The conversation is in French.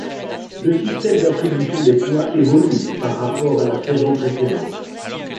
Le système d'attribution des points évolue par rapport à la saison précédente.